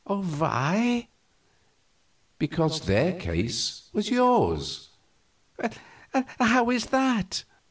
"Why?" "Because their case was yours." "How is that?"